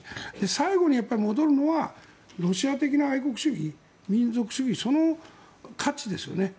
最後に戻るのはロシア的な愛国主義、民族主義の価値ですよね。